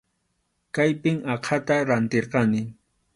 Kaypim aqhata rantirqani.